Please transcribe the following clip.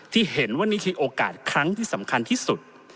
ที่เห็นว่านี่คือโอกาสครั้งที่สำคัญที่สุด